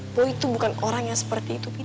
poi itu bukan orang yang seperti itu pi